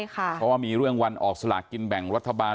เพราะว่ามีเรื่องวันออกสลากกินแบ่งรัฐบาล